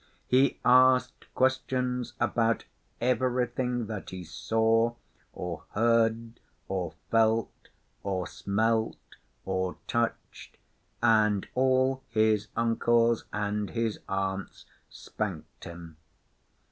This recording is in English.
He asked questions about everything that he saw, or heard, or felt, or smelt, or touched, and all his uncles and his aunts spanked him.